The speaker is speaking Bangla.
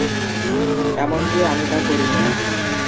এমনকি আমি তা করিনি।